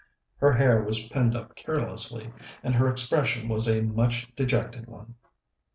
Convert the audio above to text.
Her hair was pinned up carelessly, and her expression was a much dejected one.